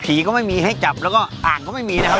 ก็ไม่มีให้จับแล้วก็อ่างก็ไม่มีนะครับ